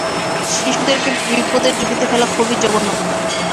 শিশুদেরকে বিপদের ঝুঁকিতে ফেলা খুবই জঘন্য অপরাধ।